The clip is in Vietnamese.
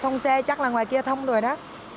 không xe chắc là ngoài kia thông rồi đó